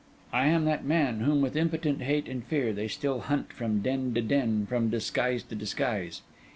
I am that man, whom with impotent hate and fear, they still hunt from den to den, from disguise to disguise.